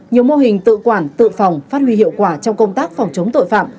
nhiều mô hình tự quản tự phòng phát huy hiệu quả trong công tác phòng chống tội phạm